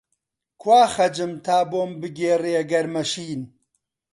کوا «خەج»م تا بۆم بگێڕێ گەرمە شین؟!